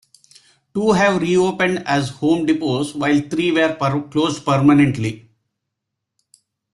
Two have reopened as Home Depots, while three were closed permanently.